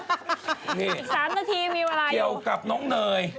อีก๓นาทีมีเวลาเกี่ยวกับน้องเนย